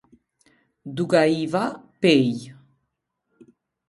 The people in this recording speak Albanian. Dugaiva, Pejë